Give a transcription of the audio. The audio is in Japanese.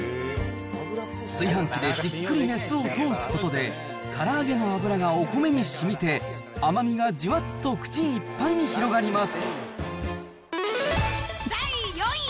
炊飯器でじっくり熱を通すことで、から揚げの油がお米にしみて、甘みがじゅわっと口いっぱいに広がります。